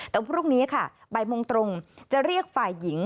แต่พรุ่งนี้ค่ะบ่ายโมงตรงจะเรียกฝ่ายหญิง